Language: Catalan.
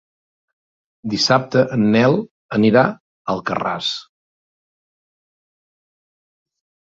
Dissabte en Nel anirà a Alcarràs.